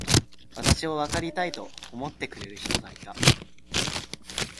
私をわかりたいと思ってくれる人がいた。